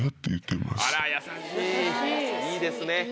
いいですね。